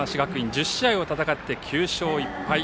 １０試合を戦って９勝１敗。